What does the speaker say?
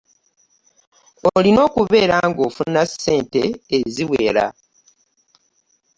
Olina okubeera nga ofuna ssente eziwera.